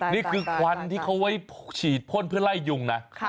นี่คือควันที่เขาไว้ฉีดพ่นเพื่อไล่ยุงนะ